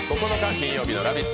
金曜日の「ラヴィット！」